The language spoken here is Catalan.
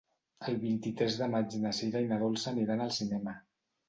El vint-i-tres de maig na Sira i na Dolça aniran al cinema.